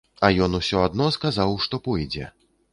А ён усё адно сказаў, што пойдзе.